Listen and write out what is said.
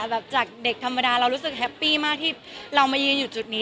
แบบจากเด็กธรรมดาเรารู้สึกแฮปปี้มากที่เรามายืนอยู่จุดนี้